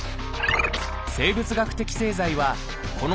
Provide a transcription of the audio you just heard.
生物学的製剤はこの